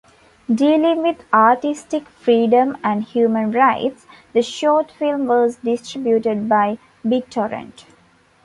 Dealing with artistic freedom and human rights, the short film was distributed by BitTorrent.